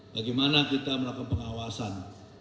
bagaimana kita melakukan pengawasan